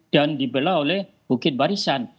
dan dibela oleh bukit barisan